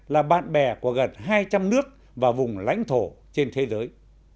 là bạn bè của gần hai trăm linh nước và vùng lãnh thổ trên thế giới